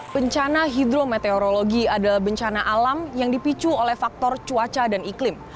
bencana hidrometeorologi adalah bencana alam yang dipicu oleh faktor cuaca dan iklim